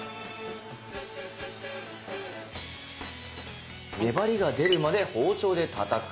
材料はねばりが出るまで包丁でたたく。